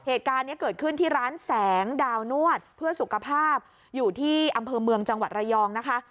เหตุการณ์นี้เกิดขึ้นที่ร้านแสงดาวนวดเพื่อสุขภาพอยู่ที่อำเภอเมืองจังหวัดระยองนะคะ